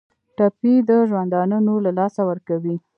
ټپي د ژوندانه نور له لاسه ورکوي.